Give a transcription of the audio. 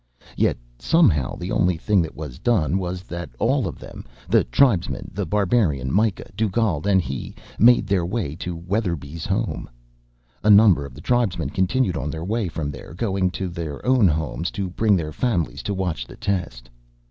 Yet somehow, the only thing that was done was that all of them; the tribesmen, The Barbarian, Myka, Dugald and he made their way to Weatherby's home. A number of the tribesmen continued on their way from there, going to their own homes to bring their families to watch the test.